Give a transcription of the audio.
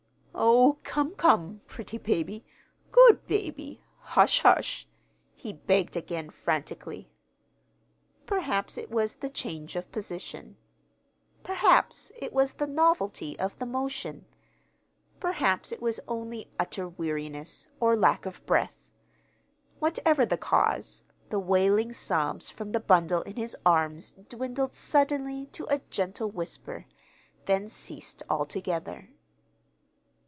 "Oh, come, come, pretty baby, good baby, hush, hush," he begged again, frantically. Perhaps it was the change of position; perhaps it was the novelty of the motion, perhaps it was only utter weariness, or lack of breath. Whatever the cause, the wailing sobs from the bundle in his arms dwindled suddenly to a gentle whisper, then ceased altogether.